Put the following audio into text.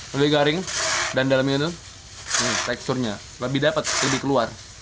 lebih garing dan dalamnya itu teksturnya lebih dapat lebih keluar